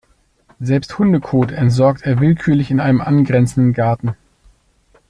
Selbst Hundekot entsorgt er willkürlich in einem angrenzenden Garten.